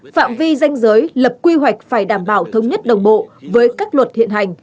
phạm vi danh giới lập quy hoạch phải đảm bảo thống nhất đồng bộ với các luật hiện hành